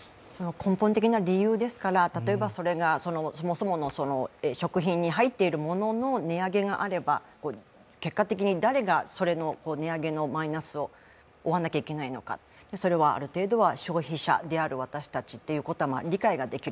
根本的な理由ですから、例えばそれが、そもそもの食品に入っているものの値上げがあれば、結果的に誰がその値上げのマイナスを負わなきゃいけないのか、それはある程度は消費者である私たちということは理解ができる。